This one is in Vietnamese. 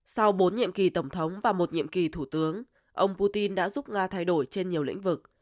sau bốn nhiệm kỳ tổng thống và một nhiệm kỳ thủ tướng ông putin đã giúp nga thay đổi trên nhiều lĩnh vực